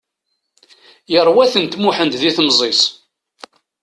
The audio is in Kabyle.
Yerwa-tent Muḥend di temẓi-s.